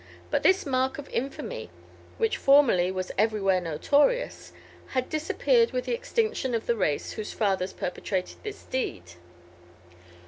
But this mark of infamy, which formerly was everywhere notorious, has disappeared with the extinction of the race whose fathers perpetrated this deed."